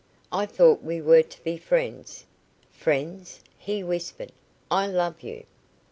"I thought we were to be friends." "Friends," he whispered. "I love you."